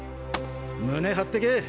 胸張ってけ！